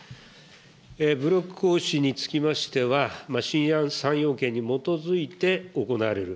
武力行使につきましては、新３要件に基づいて行われる。